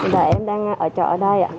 và em đang ở chợ ở đây